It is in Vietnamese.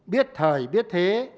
biết thời biết thế